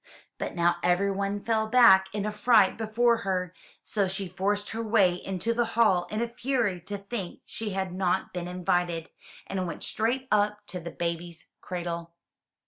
But now everyone fell back in a fright before her, so she forced her way into the hall in a fury to think she had not been invited, and went straight up to the baby's cradle.